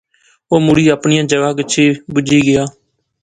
او مڑی اپنیاں جاغا گچھی بہجی گیا